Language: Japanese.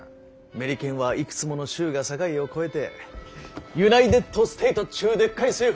メリケンはいくつもの州が境を超えてユナイテッドステイトっちゅうでっかい政府を開いたんじゃ。